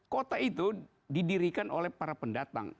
kota itu didirikan oleh para pendatang